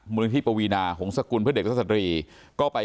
มลินที่ปวีนาของสกุลเพื่อเด็กสตรี